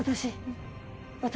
私？